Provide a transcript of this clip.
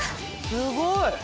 すごい。